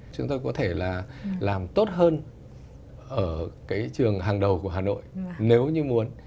chúng tôi có thể là làm tốt hơn ở cái trường hàng đầu của hà nội nếu như muốn